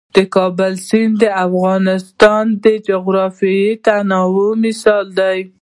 د کابل سیند د افغانستان د جغرافیوي تنوع مثال دی.